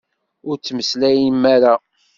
Ur ttmeslayem ara!